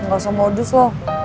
nggak usah modus lho